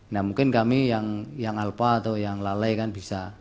nah mungkin kami yang alpa atau yang lalai kan bisa